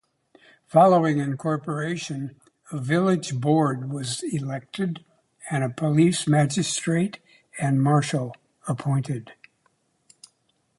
Following incorporation a village board was elected and a police magistrate and marshal appointed.